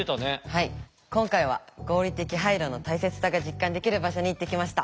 はい今回は合理的配慮の大切さが実感できる場所に行ってきました。